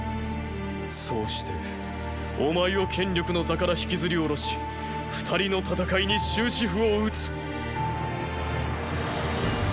そうしてお前を権力の座から引きずり降ろし二人の戦いに終止符をうつ！